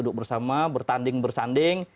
untuk bersama bertanding bersanding